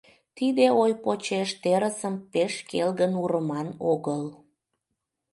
Тиде ой почеш терысым пеш келгын урыман огыл.